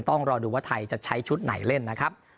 ต้องรอดูว่าไทยจะใช้ชุดไหนเล่นนะครับ